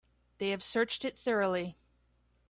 They have searched it thoroughly.